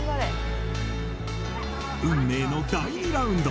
運命の第２ラウンド。